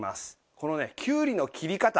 このねきゅうりの切り方。